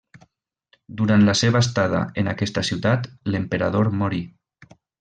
Durant la seva estada en aquesta ciutat, l'emperador morí.